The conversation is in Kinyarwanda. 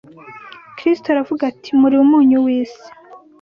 Kristo aravuga ati: “Muri umunyu w’isi”